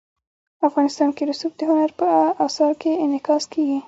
افغانستان کې رسوب د هنر په اثار کې منعکس کېږي.